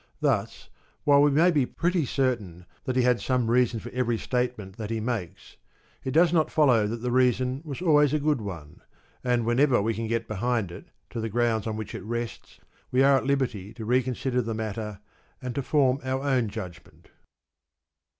Thus while we may be pretty certain that he had some reason for every statement that he makes, it does not follow that the reason was always a good one, and whenever we can get behind it to the grounds on which it rests, we are at liberty to reconsider the matter and to form our own judgment.